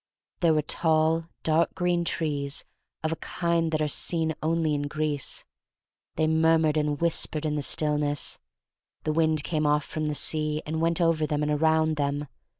There were tall, dark green trees of kinds that are seen only in Greece. They murmured and whispered in the stillness. The wind came off from the sea and went over them and around them.